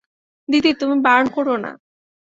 দিদি, তুমি বারণ কোরো না।